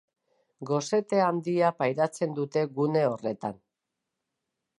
Gosete handia pairatzen dute gune horretan.